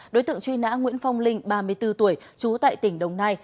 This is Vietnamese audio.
đối tượng truy nã nguyễn phong linh ba mươi bốn tuổi trú tại tỉnh đồng nai